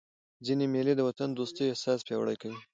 ځيني مېلې د وطن دوستۍ احساس پیاوړی کوي.